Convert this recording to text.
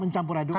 mencampur aduk kan